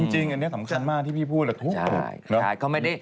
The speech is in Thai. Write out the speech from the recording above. จริงอันนี้สำคัญมากที่พี่พูดถูก